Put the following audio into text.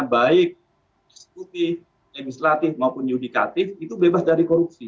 baik eksekutif legislatif maupun yudikatif itu bebas dari korupsi